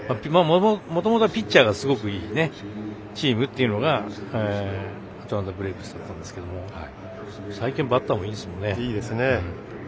もともとピッチャーがすごくいいチームっていうのがアトランタ・ブレーブスですけど最近バッターもいいですね。